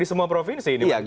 di semua provinsi